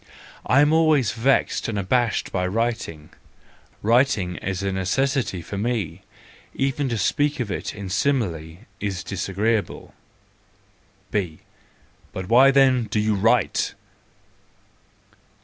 I am always vexed and abashed by writing ; writing is a necessity for me,—even to speak of it in a simile is disagreeable. B : But why, then, do you write?